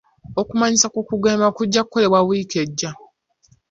Okumanyisa ku kugema kujja kukolebwa wiiki ejja.